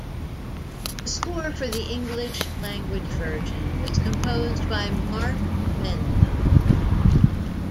The score for the English-language version was composed by Mark Menza.